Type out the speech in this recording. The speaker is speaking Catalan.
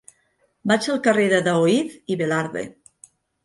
Vaig al carrer de Daoíz i Velarde.